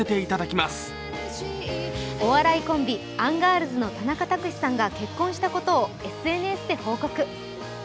お笑いコンビ・アンガールズの田中卓志さんが結婚したことをＳＮＳで報告。